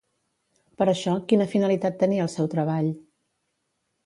Per això, quina finalitat tenia el seu treball?